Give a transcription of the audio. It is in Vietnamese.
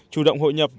chủ động hội nhập